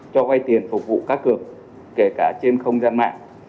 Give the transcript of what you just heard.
cho quay tiền phục vụ cá cửa kể cả trên không gian mạng